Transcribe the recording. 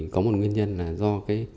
có một nguyên nhân là do